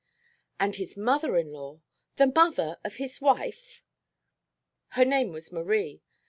And his mother in law! The mother of his wife! Her name was Marie.